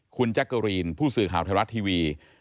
คุณแจ๊กเกอรีนผู้สื่อข่าวไทยรัฐทีวี